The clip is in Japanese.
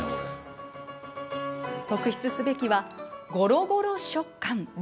特筆すべきはゴロゴロ食感。